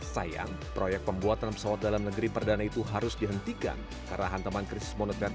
sayang proyek pembuatan pesawat dalam negeri perdana itu harus dihentikan karena hantaman krisis moneter di tahun seribu sembilan ratus sembilan puluh delapan